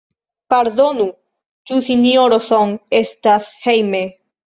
Pardonu, ĉu Sinjoro Song estas hejme?